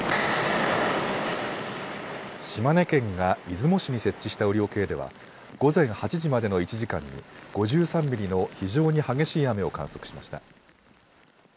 島根県が出雲市に設置した雨量計では午前８時までの１時間に５３ミリの非常に激しい雨を観測しました。